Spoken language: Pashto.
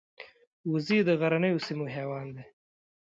وزې د غرنیو سیمو حیوان دي